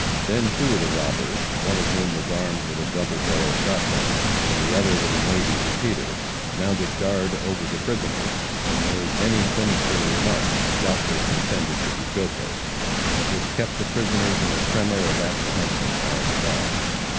Then two of the robbers, one of whom was armed with a double barrel shot gun and the other with a navy repeater, mounted guard over the prisoners, and made many sinister remarks, doubtless intended to be jocose, but which kept the prisoners in a tremor of apprehension all the while.